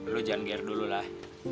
lu jangan geer dulu lah